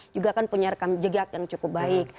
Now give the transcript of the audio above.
juga kan punya rekam jejak yang cukup baik